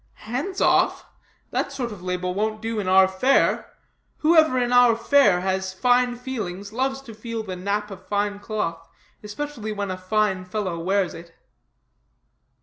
"Hands off? that sort of label won't do in our Fair. Whoever in our Fair has fine feelings loves to feel the nap of fine cloth, especially when a fine fellow wears it."